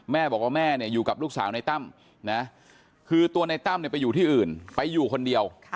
แม่บอกว่าแม่อยู่กับลูกสาวในตั้มนะคือตัวในตั้มไปอยู่ที่อื่นไปอยู่คนเดียว